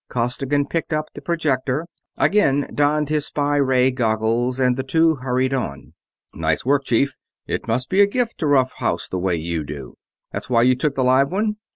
Costigan picked up the projector, again donned his spy ray goggles, and the two hurried on. "Nice work, Chief it must be a gift to rough house the way you do," Bradley exclaimed. "That's why you took the live one?"